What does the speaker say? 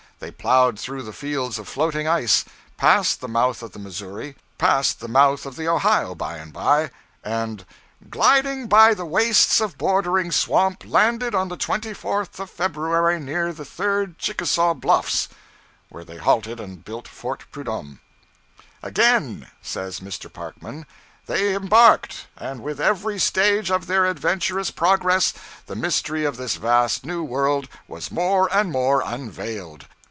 They plowed through the fields of floating ice, past the mouth of the Missouri; past the mouth of the Ohio, by and by; 'and, gliding by the wastes of bordering swamp, landed on the 24th of February near the Third Chickasaw Bluffs,' where they halted and built Fort Prudhomme. 'Again,' says Mr. Parkman, 'they embarked; and with every stage of their adventurous progress, the mystery of this vast new world was more and more unveiled.